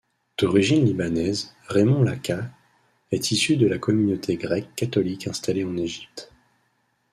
D'origine libanaise, Raymond Lakah est issu de la communauté grecque catholique installée en Egypte.